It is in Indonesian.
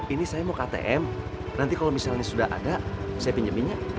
ini saya mau ke atm nanti kalau misalnya sudah ada saya pinjeminnya